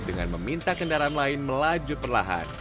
dengan meminta kendaraan lain melaju perlahan